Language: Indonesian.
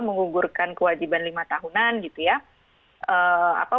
mengugurkan kewajiban lima tahunan gitu ya